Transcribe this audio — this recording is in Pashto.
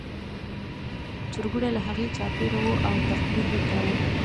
چرګوړي له هغې چاپېر وو او تقلید یې کاوه.